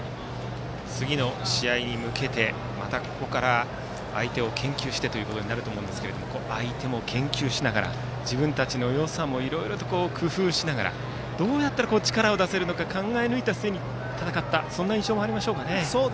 次の試合に向けてまたここから相手を研究してという部分になると思うんですが相手も研究しながら自分たちのよさもいろいろ工夫しながらどうやったら力を出せるのか考え抜いた末に戦ったという印象もありましょうかね。